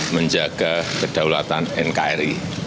menjaga kedaulatan nkri